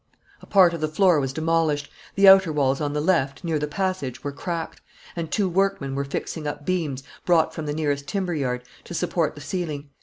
A part of the floor was demolished. The outer walls on the left, near the passage, were cracked; and two workmen were fixing up beams, brought from the nearest timber yard, to support the ceiling.